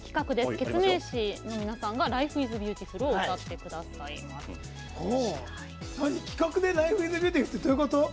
ケツメイシの皆さんが「ライフイズビューティフル」を歌ってくださいます。